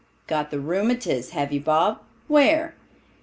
"Got the rheumatiz, have you, Bob? Where?"